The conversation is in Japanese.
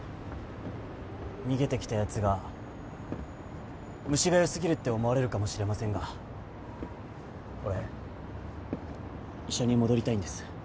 逃げてきたやつが虫がよすぎるって思われるかもしれませんが俺医者に戻りたいんです。